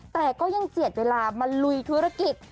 แต่ก็ยังเจียดเวลามาลุยธุรกิจ